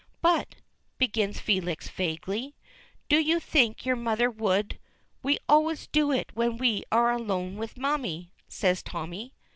"But," begins Felix, vaguely, "do you think your mother would " "We always do it when we are alone with mammy," says Tommy.